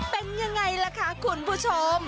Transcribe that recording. เป็นยังไงล่ะคะคุณผู้ชม